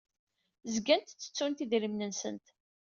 Zgant ttettunt idrimen-nsent.